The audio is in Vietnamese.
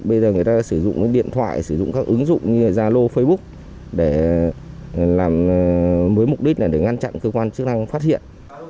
bây giờ người ta đã sử dụng điện thoại sử dụng các ứng dụng như là zalo facebook để làm với mục đích là để ngăn chặn cơ quan chức năng phát hiện